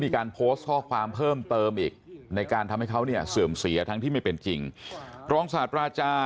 เมื่อคืนผมก็คิดฆ่าตัวตายอีกครั้งอีกแล้ว